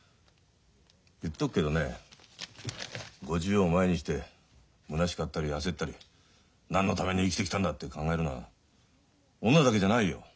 言っとくけどね５０を前にしてむなしかったり焦ったり何のために生きてきたんだって考えるのは女だけじゃないよ。